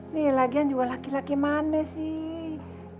nih lagian jual laki laki mana sih